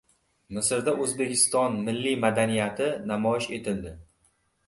Misrda O`zbekiston milliy madaniyati namoyish qilindi